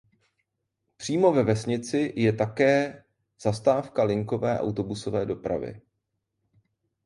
Přímo ve vesnici je také zastávka linkové autobusové dopravy.